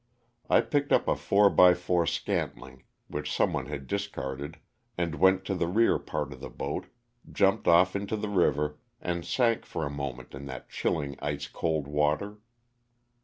I picked up a 4x4 scantling, which some one had discarded, and went to the rear part of the boat, jumped off into the river and sank for a moment in that chilling ice cold water.